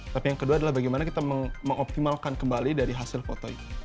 tapi yang kedua adalah bagaimana kita mengoptimalkan kembali dari hasil foto itu